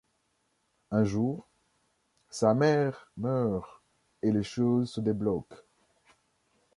Un jour, sa mère meurt et les choses se débloquent...